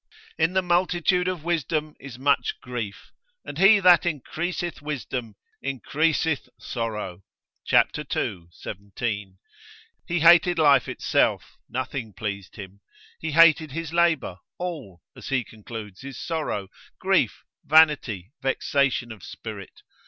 In the multitude of wisdom is much grief, and he that increaseth wisdom, increaseth sorrow, chap. ii. 17. He hated life itself, nothing pleased him: he hated his labour, all, as he concludes, is sorrow, grief, vanity, vexation of spirit.